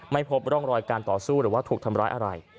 ไม่พบร่องรอยการต่อสู้หรือว่าถูกทำร้ายอะไร